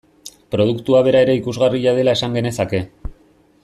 Produktua bera ere ikusgarria dela esan genezake.